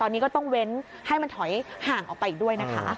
ตอนนี้ก็ต้องเว้นให้มันถอยห่างออกไปอีกด้วยนะคะ